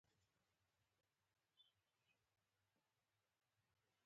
په خپلو کتابچو کې دې خاص نومونه ولیکل شي.